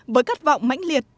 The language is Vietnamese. với khát vọng mãnh liệt